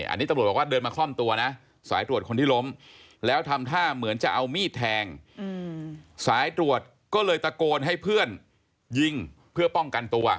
อันนี้ตำรวจบอกว่าเดินมาคล่อมตัวนะสายตรวจคนที่ล้มแล้วทำท่าเหมือนจะเอามีดแทงสายตรวจก็เลยตะโกนให้เพื่อนยิงเพื่อป้องกันตัว